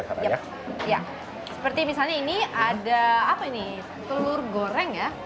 ya seperti misalnya ini ada apa ini telur goreng ya